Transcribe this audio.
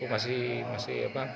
masih masih apa